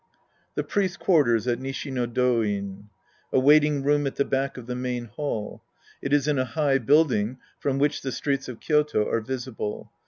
{^he priests quarters at Nishi ho~Ddin. A waiting room at the back of the main hall. It is in a high build ing from which the streets of Kyoto are visible.